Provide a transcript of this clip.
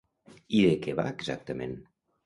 I de què va, exactament?